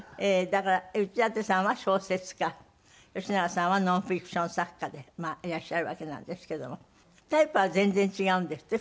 だから内館さんは小説家吉永さんはノンフィクション作家でいらっしゃるわけなんですけども。タイプは全然違うんですって？